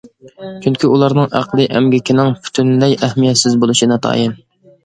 چۈنكى ئۇلارنىڭ ئەقلىي ئەمگىكىنىڭ پۈتۈنلەي ئەھمىيەتسىز بولۇشى ناتايىن.